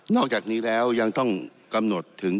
อกจากนี้แล้วยังต้องกำหนดถึง